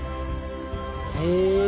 へえ。